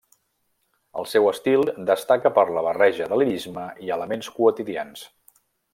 El seu estil destaca per la barreja de lirisme i elements quotidians.